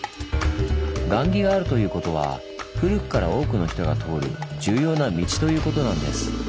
雁木があるということは古くから多くの人が通る重要な道ということなんです。